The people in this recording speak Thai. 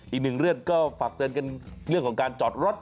อีกหนึ่งเรื่องก็ฝากเตือนกันเรื่องของการจอดรถ